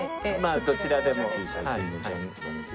まあどちらでも。